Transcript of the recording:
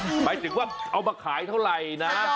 หมายถึงว่าเอามาขายเท่าไหร่นะ